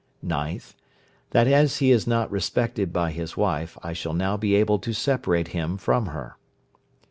9th. That as he is not respected by his wife, I shall now be able to separate him from her.